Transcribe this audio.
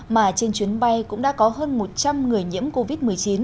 mà trên chuyến bay cũng đã có hơn một trăm linh người nhiễm covid một mươi chín